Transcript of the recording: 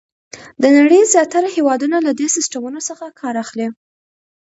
د نړۍ زیاتره هېوادونه له دې سیسټمونو څخه کار اخلي.